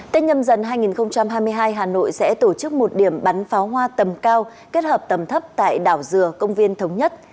tết nhâm dần hai nghìn hai mươi hai hà nội sẽ tổ chức một điểm bắn pháo hoa tầm cao kết hợp tầm thấp tại đảo dừa công viên thống nhất